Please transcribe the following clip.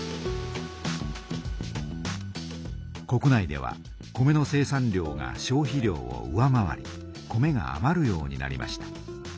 国内では米の生産量が消費量を上回り米があまるようになりました。